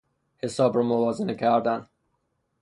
حساب را موازنه کردن